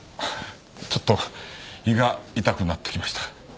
ちょっと胃が痛くなってきました。